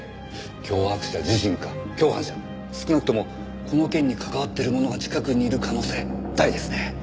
脅迫者自身か共犯者少なくともこの件に関わっている者が近くにいる可能性大ですね。